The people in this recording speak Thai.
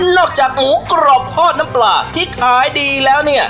จากหมูกรอบทอดน้ำปลาที่ขายดีแล้วเนี่ย